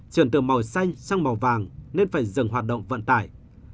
chuyển từ màu xanh sang màu vàng nên phải dừng hoạt động vận tải